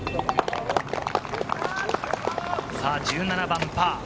１７番、パー。